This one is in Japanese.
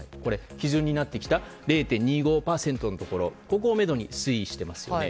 基準になってきた０．２５％のところここをめどに推移してますよね。